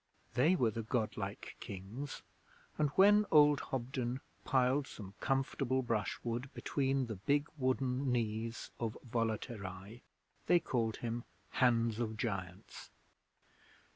They were the 'Godlike Kings', and when old Hobden piled some comfortable brushwood between the big wooden knees of Volaterrae, they called him 'Hands of Giants'.